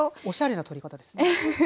おしゃれな取り方ですね。